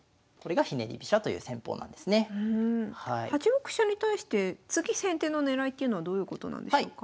８六飛車に対して次先手の狙いっていうのはどういうことなんでしょうか？